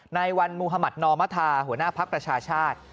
ในวันมุธมัธนอมธาหัวหน้าภักดิ์ประชาชาติ